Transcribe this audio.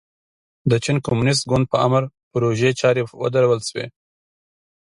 د چین کمونېست ګوند په امر پروژې چارې ودرول شوې.